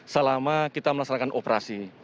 selama kita melaksanakan operasi